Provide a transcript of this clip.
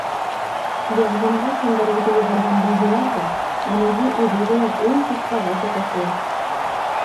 Ярҙамға Шәңгәрәйҙе ебәргән булдылар ҙа - уныһы үҙе генә ун сусҡаға торошло.